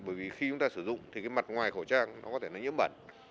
bởi vì khi chúng ta sử dụng thì cái mặt ngoài khẩu trang nó có thể nó nhiễm bẩn